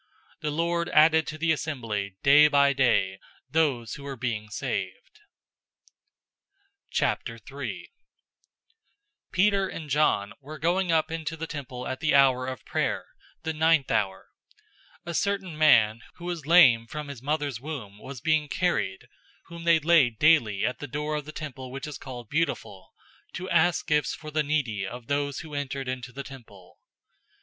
The Lord added to the assembly day by day those who were being saved. 003:001 Peter and John were going up into the temple at the hour of prayer, the ninth hour{3:00 PM}. 003:002 A certain man who was lame from his mother's womb was being carried, whom they laid daily at the door of the temple which is called Beautiful, to ask gifts for the needy of those who entered into the temple.